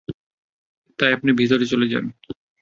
তাই আপনি ভিতরে চলে যান।